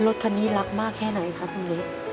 รถคันนี้รักมากแค่ไหนครับลุงนุ๊ก